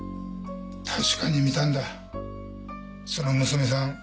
確かに見たんだその娘さん